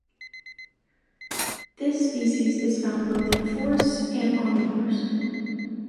This species is found both in forests and on moors.